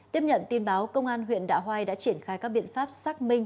tiếp nhận tin báo công an huyện đạ hoai đã triển khai các biện pháp xác minh